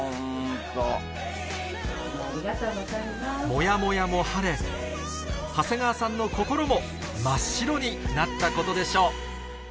モヤモヤも晴れ長谷川さんの心も真っ白になったことでしょう